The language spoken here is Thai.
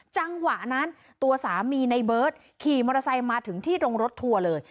จังหวะนั้นตัวสามีในเบิร์ตขี่มอเตอร์ไซค์มาถึงที่ตรงรถทัวร์เลย